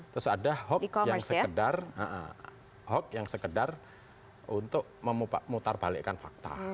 terus ada hoax yang sekedar untuk memutarbalikan fakta